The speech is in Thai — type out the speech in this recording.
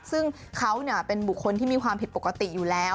ซึ่งเขาเป็นบุคคลที่มีความผิดปกติอยู่แล้ว